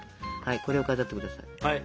これを飾って下さい。